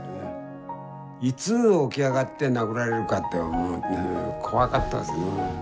いつ起き上がって殴られるかって思うと怖かったですね。